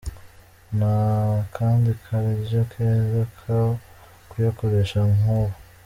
Nta kandi karyo keza ko kuyakoresha nk'ubu.